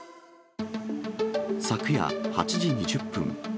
昨夜８時２０分。